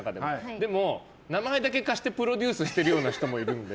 でも、名前だけ貸してプロデュースしている人もいるので。